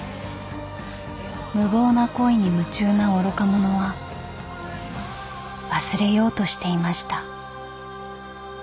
［無謀な恋に夢中な愚か者は忘れようとしていました］